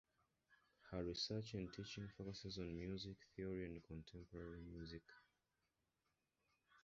Her research and teaching focuses on music theory and contemporary musik.